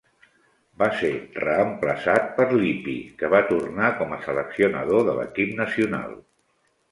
Va ser reemplaçat per Lippi, que va tornar com a seleccionador de l'equip nacional.